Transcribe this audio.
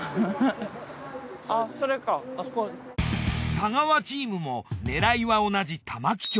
太川チームも狙いは同じ玉城町。